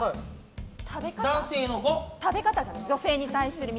食べ方じゃない？